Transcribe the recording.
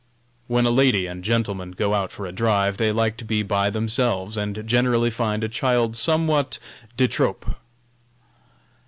When a lady and gentleman go out for a drive they like to be by themselves, and generally find a child somewhat de trop.